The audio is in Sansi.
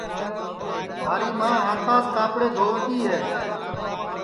مھاری ماں ہاتاس کاپڑے دھؤتی ہے